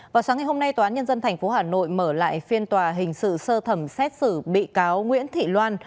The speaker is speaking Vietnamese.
vào sáng ngày hôm nay tòa án nhân dân tp hà nội mở lại phiên tòa hình sự sơ thẩm xét xử bị cáo nguyễn thị loan